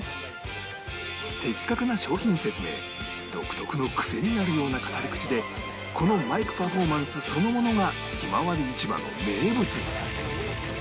的確な商品説明独特のクセになるような語り口でこのマイクパフォーマンスそのものがひまわり市場の名物に